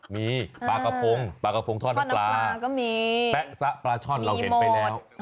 มีปลากระพงปลากระพงทอดน้ำปลาก็มีแป๊ะซะปลาช่อนเราเห็นไปแล้ว